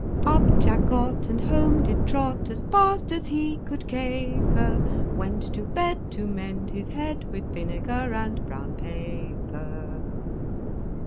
Up Jack got and home did trot As fast as he could caper; Went to bed to mend his head With vinegar and brown paper.